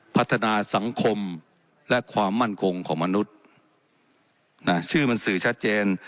พัฒนาสังคมและความมั่นคงของมนุษย์นะชื่อมันสื่อชัดเจน